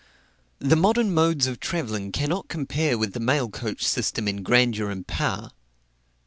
The modern modes of travelling cannot compare with the mail coach system in grandeur and power.